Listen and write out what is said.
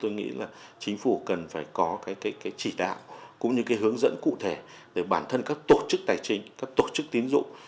tôi nghĩ là chính phủ cần phải có cái chỉ đạo cũng như cái hướng dẫn cụ thể để bản thân các tổ chức tài chính các tổ chức tín dụng